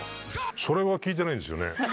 それは聞いてないですよね。